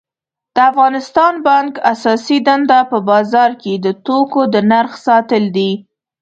د افغانستان بانک اساسی دنده په بازار کی د توکو د نرخ ساتل دي